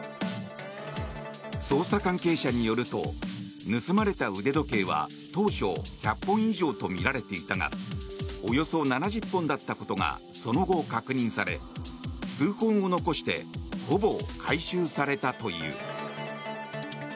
捜査関係者によると盗まれた腕時計は当初、１００本以上とみられていたがおよそ７０本だったことがその後、確認され数本を残してほぼ回収されたという。